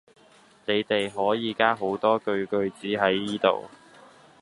你哋可以加好多句句子喺依度